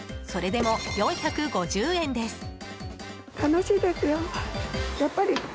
それでも４５０円です。